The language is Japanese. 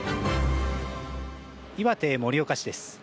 岩手・盛岡市です。